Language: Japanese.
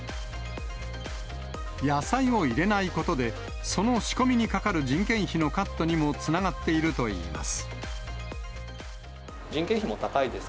野菜を入れないことで、その仕込みにかかる人件費のカットにもつながっているといいます。